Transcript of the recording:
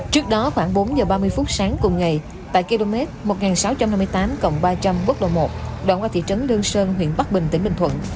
trước đó khoảng bốn h ba mươi phút sáng cùng ngày tại km một nghìn sáu trăm năm mươi tám ba trăm linh quốc lộ một đoạn qua thị trấn lương sơn huyện bắc bình tỉnh bình thuận